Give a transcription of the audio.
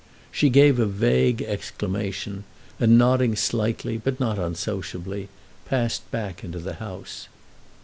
She gave a vague exclamation and, nodding slightly but not unsociably, passed back into the house.